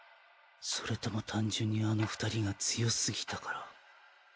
それとも単純にあの２人が強すぎたから？